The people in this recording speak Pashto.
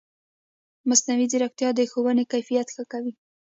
مصنوعي ځیرکتیا د ښوونې کیفیت ښه کوي.